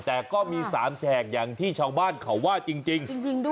แต่ก็มี๓แฉกอย่างที่ชาวบ้านเขาว่าจริงด้วย